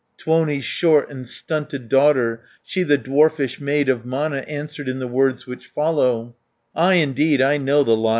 Tuoni's short and stunted daughter, She the dwarfish maid of Mana, Answered in the words which follow: "Ay, indeed, I know the liar!